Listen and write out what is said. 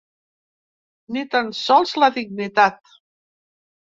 Ni tan sols la dignitat.